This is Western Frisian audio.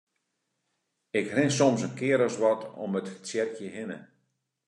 Ik rin soms in kear as wat om it tsjerkje hinne.